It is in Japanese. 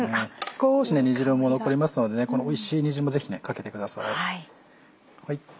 少し煮汁も残りますのでこのおいしい煮汁もぜひかけてください。